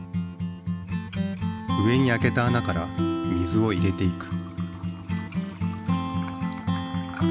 上に開けた穴から水を入れていく。